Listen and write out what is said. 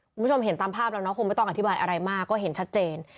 คุณผู้ชมเห็นตามภาพแล้วเนาะคงไม่ต้องอธิบายอะไรมากก็เห็นชัดเจน